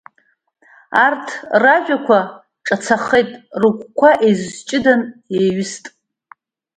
Арҭ ражәақәа ҿацахеит, рыгәқәа еизҷыда еиҩыст.